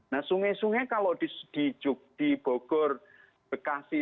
nah sungai sungai kalau di bogor bekasi